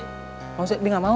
enggak usah ibi enggak mau